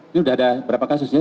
ini sudah ada berapa kasus ya